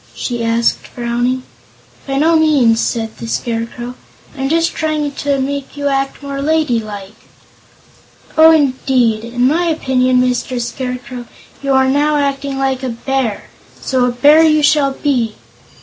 she asked, frowning. "By no means," said the Scarecrow; "I'm just trying to make you act more ladylike." "Oh, indeed! In my opinion, Mr. Scarecrow, you are now acting like a bear so a Bear you shall be!"